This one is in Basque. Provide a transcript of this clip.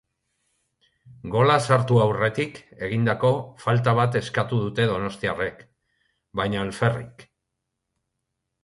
Gola sartu aurretik egindako falta bat eskatu dute donostiarrek, baina alferrik.